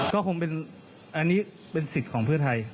พระเพื่อไทยเลือกแผ่นใหม่